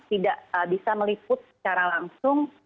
tidak bisa meliput secara langsung